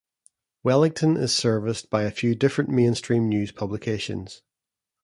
Wellington is serviced by a few different mainstream news publications.